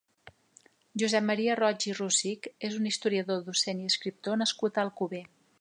Josep Maria Roig i Rosich és un historiador, docent i escriptor nascut a Alcover.